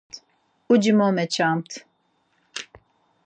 Uci mo meçamt.